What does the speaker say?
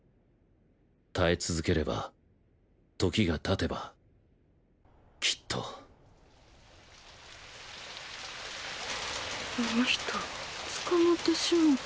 耐え続ければ時が経てばきっとあの人捕まってしもうた。